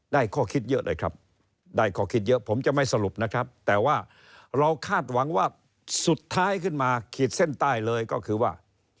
ข้อคิดเยอะเลยครับได้ข้อคิดเยอะผมจะไม่สรุปนะครับแต่ว่าเราคาดหวังว่าสุดท้ายขึ้นมาขีดเส้นใต้เลยก็คือว่า